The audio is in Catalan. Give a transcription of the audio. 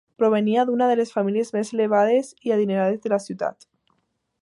Provenia d'una de les famílies més elevades i adinerades de la ciutat.